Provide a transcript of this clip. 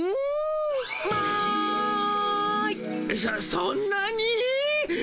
そそんなに？